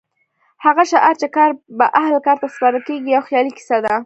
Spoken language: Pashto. هغه شعار چې کار به اهل کار ته سپارل کېږي یو خیالي کیسه ده.